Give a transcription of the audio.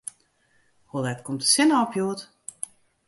Hoe let komt de sinne op hjoed?